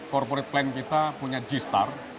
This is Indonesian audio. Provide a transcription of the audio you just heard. corporate plan kita punya g star